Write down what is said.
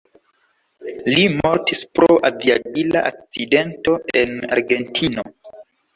Li mortis pro aviadila akcidento en Argentino.